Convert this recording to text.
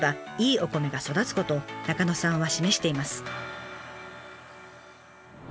お米が育つことを中野さんは示しています。